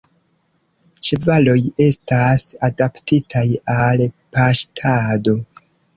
Ĉevaloj estas adaptitaj al paŝtado.